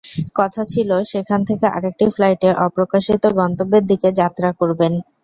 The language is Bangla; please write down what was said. কথা ছিল, সেখান থেকে আরেকটি ফ্লাইটে অপ্রকাশিত গন্তব্যের দিকে যাত্রা করবেন।